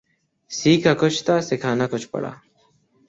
سیکھا کچھ تھا سکھانا کچھ پڑا